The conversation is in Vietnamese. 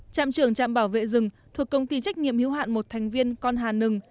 trạm trưởng trạm bảo vệ rừng thuộc công ty trách nhiệm hiếu hạn một thành viên con hà nừng